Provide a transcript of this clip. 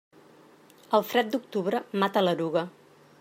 El fred d'octubre mata l'eruga.